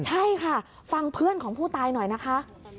ใช่ค่ะฟังเพื่อนของผู้ตายหน่อยนะคะ